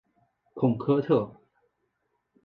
孔科特。